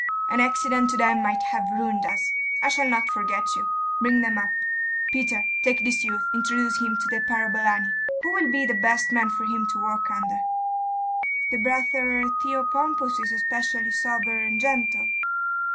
An accident to them might have ruined us. I shall not forget you. Bring them up. Peter, take this youth, introduce him to the parabolani.... Who will be the best man for him to work under?' 'The brother Theopompus is especially sober and gentle.